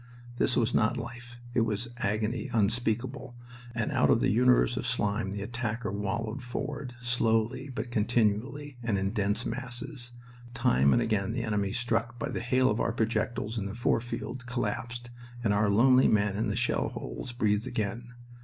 This was not life; it was agony unspeakable. And out of the universe of slime the attacker wallowed forward, slowly but continually, and in dense masses. Time and again the enemy, struck by the hail of our projectiles in the fore field, collapsed, and our lonely men in the shell holes breathed again.